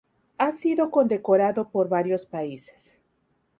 Ha sido condecorado por varios países.